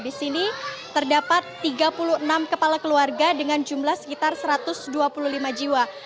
di sini terdapat tiga puluh enam kepala keluarga dengan jumlah sekitar satu ratus dua puluh lima jiwa